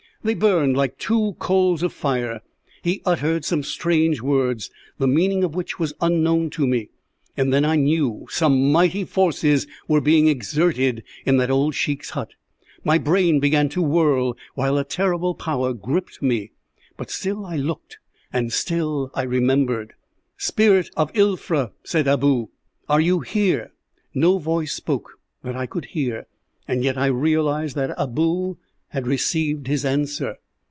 They burned like two coals of fire. He uttered some strange words, the meaning of which was unknown to me, and then I knew some mighty forces were being exerted in that old sheik's hut. My brain began to whirl, while a terrible power gripped me; but still I looked, and still I remembered. "'Spirit of Ilfra,' said Abou, 'are you here?' "No voice spoke that I could hear, and yet I realized that Abou had received his answer.